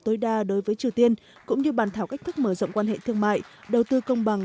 tối đa đối với triều tiên cũng như bàn thảo cách thức mở rộng quan hệ thương mại đầu tư công bằng